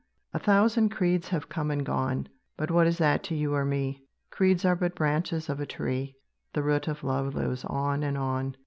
A thousand creeds have come and gone; But what is that to you or me? Creeds are but branches of a tree, The root of love lives on and on.